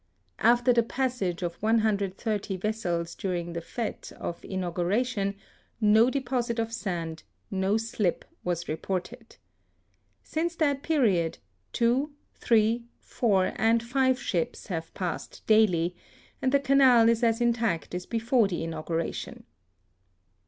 After the passage of 130 vessels during the fHes of inauguration, no deposit of sand, no slip, was reported. Since that period two, three, four, and five ships have passed daily, and the Canal is as intact as before the inauguration.